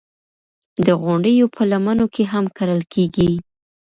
د غونډیو په لمنو کې هم کرل کېږي.